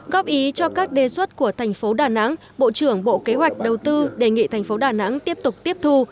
góp ý cho các đề xuất của thành phố đà nẵng bộ trưởng bộ kế hoạch đầu tư đề nghị thành phố đà nẵng tiếp tục tiếp thu